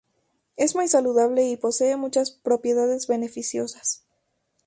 Es muy saludable y posee muchas propiedades beneficiosas.